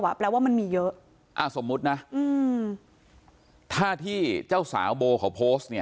ไม่เรียกแล้วว่ามันมีเยอะอ่ะสมมตินะอือถ้าที่เจ้าสาวโบของเนี่ย